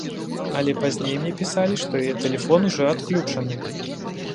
Але пазней мне пісалі, што яе тэлефон ужо адключаны.